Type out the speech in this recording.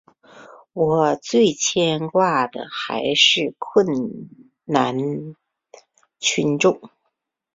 我最牵挂的还是困难群众。